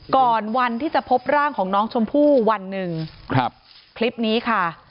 ก่อนวันที่จะพบร่างของน้องชมพู่วันหนึ่งครับคลิปนี้ค่ะ